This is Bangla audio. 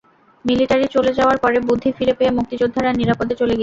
মিলিটারি চলে যাওয়ার পরে বুদ্ধি ফিরে পেয়ে মুক্তিযোদ্ধারা নিরাপদে চলে গেলেন।